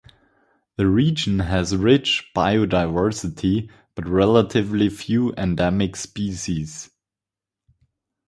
The region has rich biodiversity but relatively few endemic species.